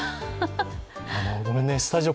ごめんね、スタジオ